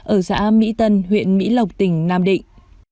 ở xã mỹ tân huyện mỹ lộc tỉnh nam định